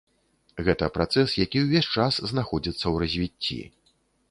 Гэта працэс, які ўвесь час знаходзіцца ў развіцці.